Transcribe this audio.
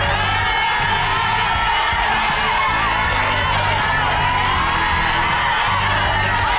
อันนี้ไข่กะทิขึ้นมาลูกค่ะ